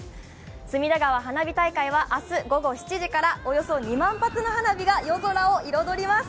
隅田川花火大会は明日午後７時から、およそ２万発の花火が夜空を彩ります。